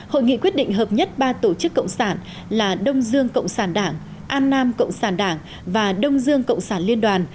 hội nghị quyết định hợp nhất ba tổ chức cộng sản là đông dương cộng sản đảng an nam cộng sản đảng và đông dương cộng sản liên đoàn